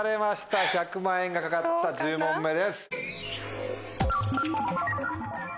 １００万円が懸かった１０問目です。